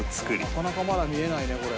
なかなかまだ見えないねこれ。